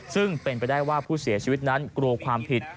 ซึ่งเป็นไปได้ว่าผู้เสียชีวิตนั้นกลัวความผิด